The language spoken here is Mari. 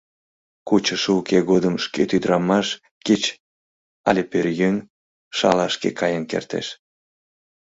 Кучышо уке годым шкет ӱдырамаш, кеч але пӧръеҥ, шалашке каен кертеш.